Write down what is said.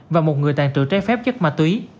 và một người tàn trữ trái phép chất ma túy